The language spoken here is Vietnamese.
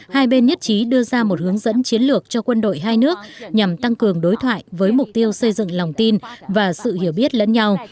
hai bên nhất trí đưa ra một hướng dẫn chiến lược cho quân đội hai nước nhằm tăng cường đối thoại với mục tiêu xây dựng lòng tin và sự hiểu biết lẫn nhau